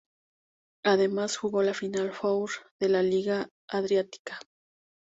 Además jugó la Final Four de la Liga Adriática.